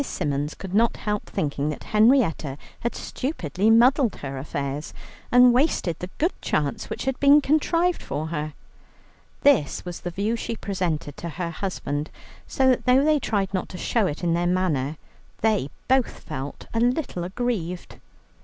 Symons could not help thinking that Henrietta had stupidly muddled her affairs, and wasted the good chance which had been contrived for her. This was the view she presented to her husband, so that though they tried not to show it in their manner, they both felt a little aggrieved.